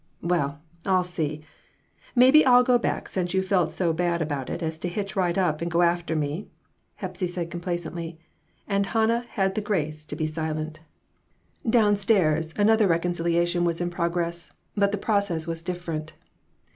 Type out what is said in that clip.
"Well, I'll see; maybe I'll go back since you felt so bad about it as to hitch right up an' go after me," Hepsy said, complacently; and Han nah had the grace to be silent. RECONCILIATIONS. I IQ Down stairs another reconciliation was in prog ress, but the process was different.